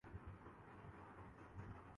ایک مُلک چُن لو کوئی مُلک